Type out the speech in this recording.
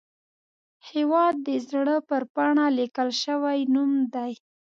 هیواد د زړه پر پاڼه لیکل شوی نوم دی